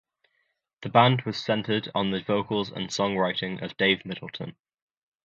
The band was centered on the vocals and songwriting of Dave Middleton.